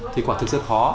thì quả thực sự khó